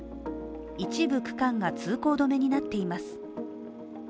一部区間が通行止めになっています。